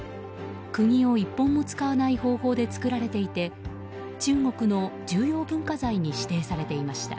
釘を１本も使わない方法で作られていて中国の重要文化財に指定されていました。